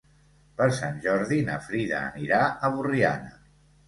Per Sant Jordi na Frida anirà a Borriana.